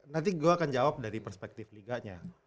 nanti gue akan jawab dari perspektif liganya